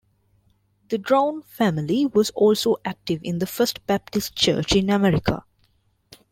The Drowne family was also active in the First Baptist Church in America.